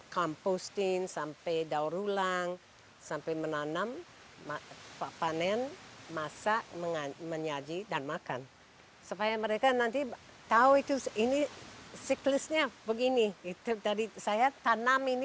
cuma dari kecil sudah